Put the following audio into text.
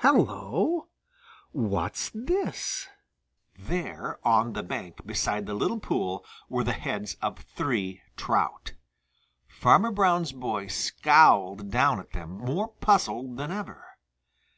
Hello! What's this?" There, on the bank beside the little pool, were the heads of three trout. Farmer Brown's boy scowled down at them more puzzled than ever.